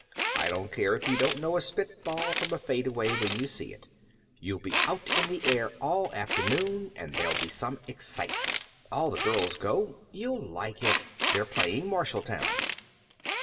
I don't care if you don't know a spitball from a fadeaway when you see it. You'll be out in the air all afternoon, and there'll be some excitement. All the girls go. You'll like it. They're playing Marshalltown."